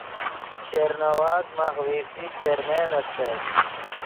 شیر نواز ماخ وی سی چیرمین استت